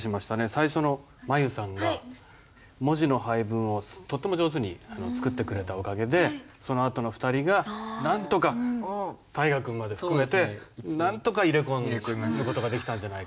最初の舞悠さんが文字の配分をとっても上手に作ってくれたおかげでそのあとの２人がなんとか大河君まで含めてなんとか入れ込んでいく事ができたんじゃないかな。